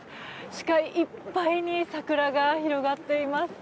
視界いっぱいに桜が広がっています。